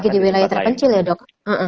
ini kecil ya dok